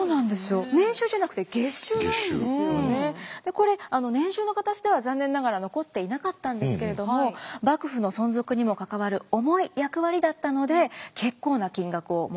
これ年収の形では残念ながら残っていなかったんですけれども幕府の存続にも関わる重い役割だったので結構な金額をもらっていたようなんです。